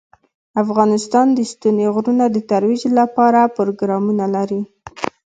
افغانستان د ستوني غرونه د ترویج لپاره پروګرامونه لري.